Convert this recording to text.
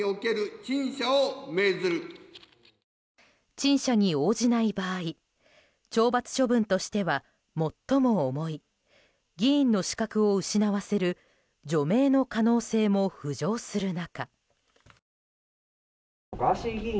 陳謝に応じない場合懲罰処分としては最も重い議員の資格を失わせる除名の可能性も浮上する中。